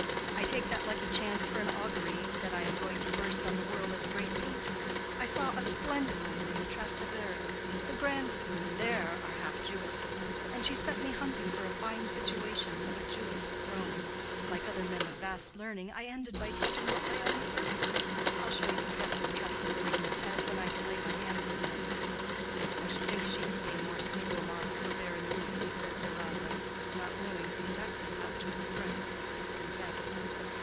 I take that lucky chance for an augury that I am going to burst on the world as a great painter. I saw a splendid woman in the Trastevere—the grandest women there are half Jewesses—and she set me hunting for a fine situation of a Jewess at Rome. Like other men of vast learning, I ended by taking what lay on the surface. I'll show you a sketch of the Trasteverina's head when I can lay my hands on it." "I should think she would be a more suitable model for Berenice," said Deronda, not knowing exactly how to express his discontent.